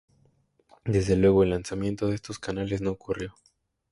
Desde luego, el lanzamiento de estos canales no ocurrió.